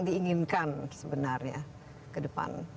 diinginkan sebenarnya ke depan